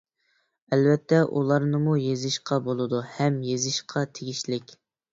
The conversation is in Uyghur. ئەلۋەتتە، ئۇلارنىمۇ يېزىشقا بولىدۇ ھەم يېزىشقا تېگىشلىك.